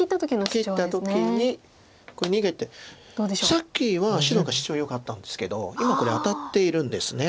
さっきは白がシチョウよかったんですけど今これアタっているんです。